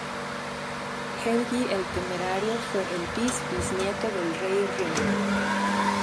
Helgi el Temerario fue el bis-bisnieto del rey Ring.